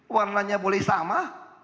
warnanya boleh sama